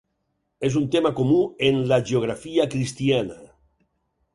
És un tema comú en l'hagiografia cristiana.